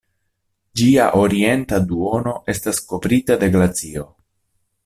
Ĝia orienta duono estas kovrita de glacio.